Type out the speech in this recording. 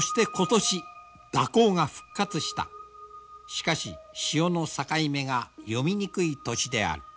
しかし潮の境目が読みにくい年である。